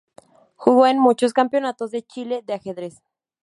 Jugó en muchos Campeonato de Chile de ajedrez.